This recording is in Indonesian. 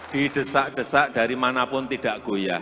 di desak desak dari manapun tidak goyah